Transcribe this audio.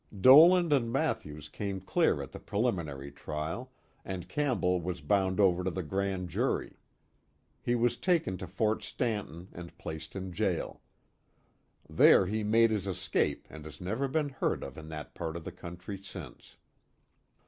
Dolan and Mathews came clear at the preliminary trial, and Campbell was bound over to the Grand Jury. He was taken to Fort Stanton and placed in jail. There he made his escape and has never been heard of in that part of the country since.